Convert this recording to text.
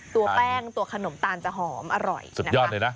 ตัวแป้งตัวขนมตาลจะหอมอร่อยสุดยอดเลยนะ